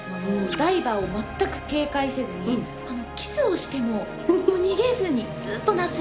ダイバーを全く警戒せずにキスをしても逃げずにずっと懐いてる。